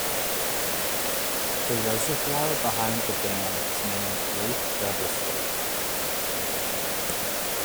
The reservoir behind the dam is named Lake Revelstoke.